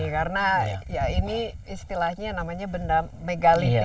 karena ini istilahnya namanya benda megalitik